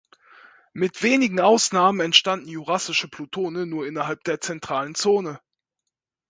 Mit wenigen Ausnahmen entstanden jurassische Plutone nur innerhalb der zentralen Zone.